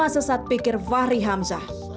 sesat pikir fahri hamzah